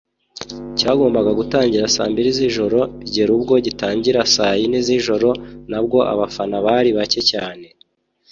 Cyagombaga gutangira saa mbiri z’ijoro bigera ubwo gitangira saa yine z’ijoro nabwo abafana bari bake cyane